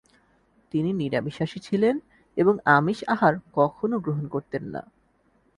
তিনি নিরামিষাসী ছিলেন এবং আমিষ আহার কখনো গ্রহণ করতেন না।